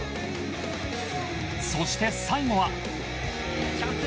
そして最後は。